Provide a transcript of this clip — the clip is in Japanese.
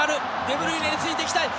デブルイネについていきたい！